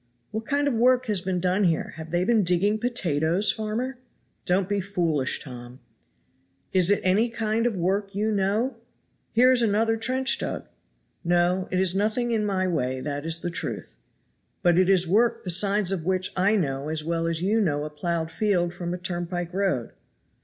"What kind of work has been done here? have they been digging potatoes, farmer?" "Don't be foolish, Tom." "Is it any kind of work you know? Here is another trench dug." "No! it is nothing in my way, that is the truth." "But it is work the signs of which I know as well as you know a plowed field from a turnpike road."